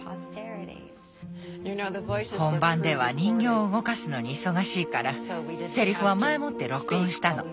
本番では人形を動かすのに忙しいからセリフは前もって録音したの。